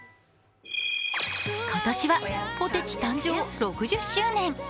今年はポテチ誕生６０周年。